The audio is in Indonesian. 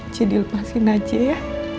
jadi lepasin aja ya